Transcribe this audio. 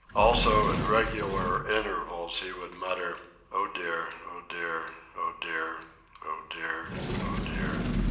Also, at regular intervals, he would mutter: "Oh dear, oh dear, oh dear, oh dear, oh dear."